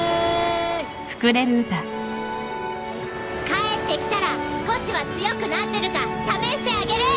帰ってきたら少しは強くなってるか試してあげる！